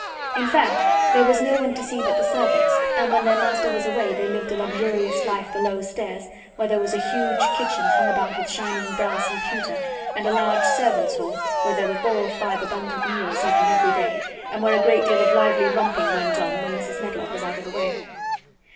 In fact, there was no one to see but the servants, and when their master was away they lived a luxurious life below stairs, where there was a huge kitchen hung about with shining brass and pewter, and a large servants' hall where there were four or five abundant meals eaten every day, and where a great deal of lively romping went on when Mrs. Medlock was out of the way.